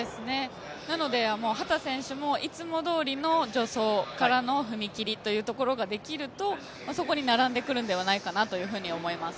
なので秦選手もいつもどおりの助走からの踏切というのができるとそこに並んでくるのではないかなというふうに思います。